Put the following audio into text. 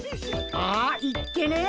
あっいっけねえ！